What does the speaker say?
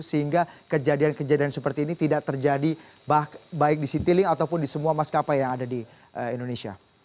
sehingga kejadian kejadian seperti ini tidak terjadi baik di citilink ataupun di semua maskapai yang ada di indonesia